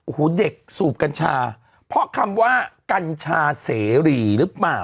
โอ้โหเด็กสูบกัญชาเพราะคำว่ากัญชาเสรีหรือเปล่า